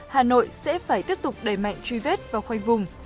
hà nội sẽ phải tiếp tục đẩy mạnh truy vết và khoanh vùng